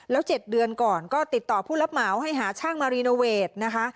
แล้ว๗เดือนก่อนก็ติดต่อผู้รับเหมาให้หาช่างมารีโนเวทนะคะ